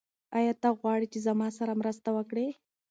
ایا ته غواړې چې زما سره مرسته وکړې؟